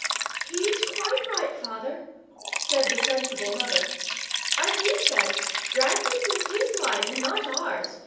"He's quite right, father," said the sensible mother. "As he says, dragons is his line and not ours.